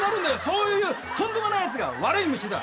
そういうとんでもないやつが悪い虫だ。